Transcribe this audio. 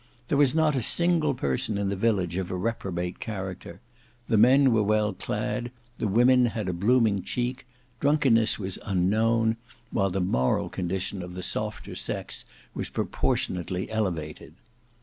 There was not a single person in the village of a reprobate character. The men were well clad; the women had a blooming cheek; drunkenness was unknown; while the moral condition of the softer sex was proportionately elevated.